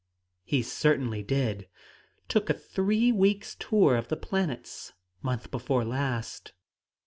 "He certainly did. Took a three weeks' tour of the planets, month before last!"